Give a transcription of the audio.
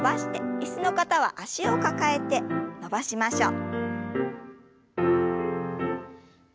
椅子の方は脚を抱えて伸ばしましょう。